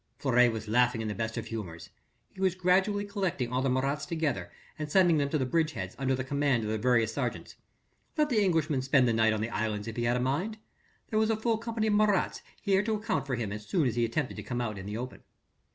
Fleury was laughing in the best of humours. He was gradually collecting all the Marats together and sending them to the bridge heads under the command of their various sergeants. Let the Englishman spend the night on the islands if he had a mind. There was a full company of Marats here to account for him as soon as he attempted to come out in the open.